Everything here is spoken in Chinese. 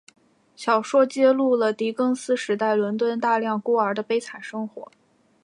小说揭露了狄更斯时代伦敦大量孤儿的悲惨生活。